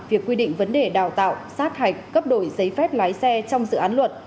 việc quy định vấn đề đào tạo sát hạch cấp đổi giấy phép lái xe trong dự án luật